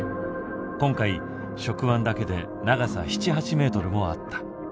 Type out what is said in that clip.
今回触腕だけで長さ７８ｍもあった。